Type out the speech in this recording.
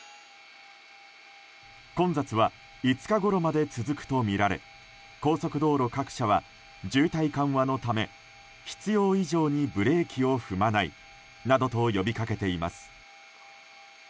混雑は５日ごろまで続くとみられ高速道路各社は渋滞緩和のため必要以上にブレーキを踏まないなどと呼びかけています。